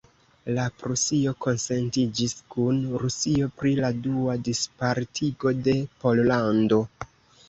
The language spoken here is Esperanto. La Prusio konsentiĝis kun Rusio pri la dua dispartigo de Pollando.